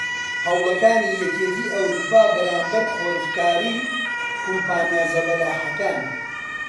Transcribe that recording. هەوڵەکاتی یەکیەتی ئەوروپا بەرامبەر قۆرغکاری کۆمپانیا زەبەلاحەکان